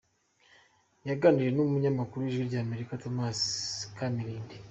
Yaganiriye n’umunyamakuru w’Ijwi ry’Amerika Thomas Kamilindi.